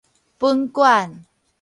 本館